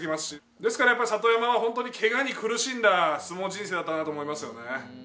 ですからやっぱり里山はホントにケガに苦しんだ相撲人生だったなと思いますよね。